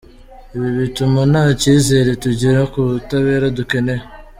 Ibi bituma nta kizere tugira ku butabera dukeneye".